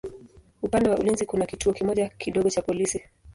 Upande wa ulinzi kuna kituo kimoja kidogo cha polisi.